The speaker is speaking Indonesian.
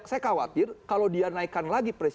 saya khawatir kalau dia naikkan lagi presiden